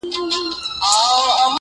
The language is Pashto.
o خر نه دئ، کچر دئ، په پوري د خره سر دئ٫